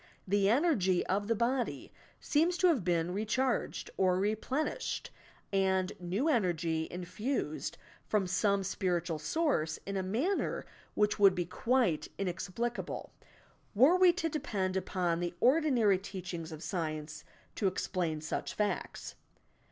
The energy of the body seems to have been recharged or replenished, and new energy infused from some spiritual source in a manner which would be quite inexplicable, were we to depend upon the ordinary teachings of science to explain such facts.